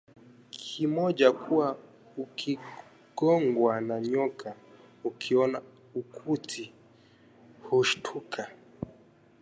kimoja kuwa "ukigongwa na nyoka ukiona ukuti hushtuka"